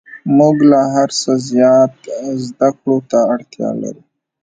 موږ له هر څه زیات زده کړو ته اړتیا لرو